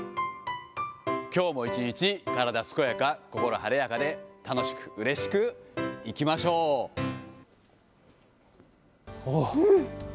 きょうも一日体健やか、心晴れやかで、楽しくうれしくいきましょおー。